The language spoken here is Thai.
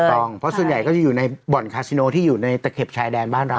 เพราะส่วนใหญ่ก็จะอยู่ในบ่อนคาซิโนที่อยู่ในตะเข็บชายแดนบ้านเรา